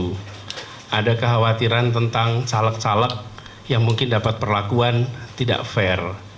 ada kekhawatiran tentang caleg caleg yang mungkin dapat perlakuan tidak fair